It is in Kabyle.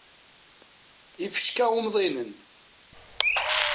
Ifecka umḍinen.